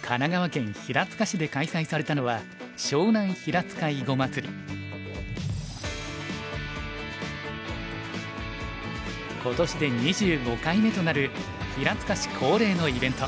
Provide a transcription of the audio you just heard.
神奈川県平塚市で開催されたのは今年で２５回目となる平塚市恒例のイベント。